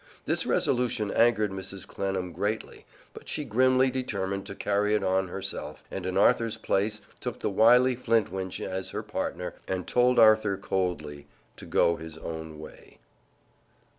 This resolution angered Mrs. Clennam greatly, but she grimly determined to carry it on herself, and in Arthur's place took the wily Flintwinch as her partner and told Arthur coldly to go his own way.